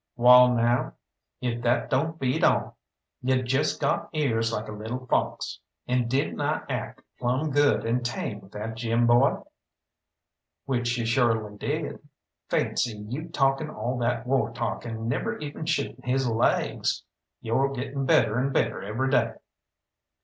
"Wall, now, if that don't beat all! You jest got ears like a lil' fox! And didn't I act plumb good and tame with that Jim boy?" "Which you shorely did. Fancy, you taking all that war talk, and never even shooting his laigs. Yo're getting better'n better every day."